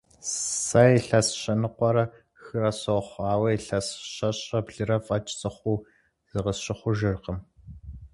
Сэ илъэс щэныкъуэрэ хырэ сохъу, ауэ илъэс щэщӏрэ блырэ фӏэкӏ сыхъуу зыкъысщыхъужыркъым.